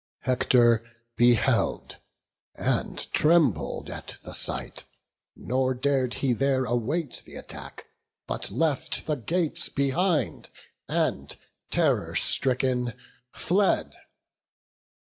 Hector beheld, and trembled at the sight; Nor dar'd he there await th' attack, but left The gates behind, and, terror stricken, fled.